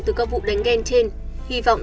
từ các vụ đánh ghen trên hy vọng